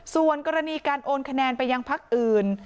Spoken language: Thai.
ส่วนกรณีการโอนคะแนนไปยังพักอื่น